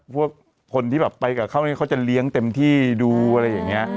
พวกคนที่แบบไปกับเขาเนี่ยเขาจะเลี้ยงเต็มที่ดูอะไรอย่างนี้